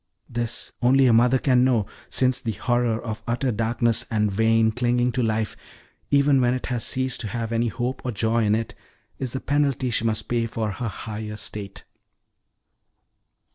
This only a mother can know, since the horror of utter darkness, and vain clinging to life, even when it has ceased to have any hope or joy in it, is the penalty she must pay for her higher state."